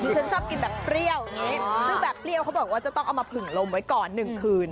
ฉันชอบกินแบบเปรี้ยวอย่างนี้ซึ่งแบบเปรี้ยวเขาบอกว่าจะต้องเอามาผึ่งลมไว้ก่อน๑คืน